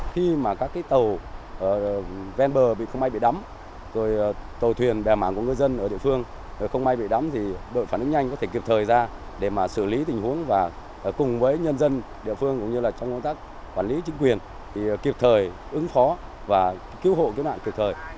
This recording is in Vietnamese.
khi mà các tàu ven bờ bị không may bị đắm rồi tàu thuyền bè mảng của ngư dân ở địa phương không may bị đắm thì đội phản ứng nhanh có thể kịp thời ra để mà xử lý tình huống và cùng với nhân dân địa phương cũng như là trong công tác quản lý chính quyền kịp thời ứng phó và cứu hộ cứu nạn kịp thời